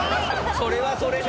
それはそれで。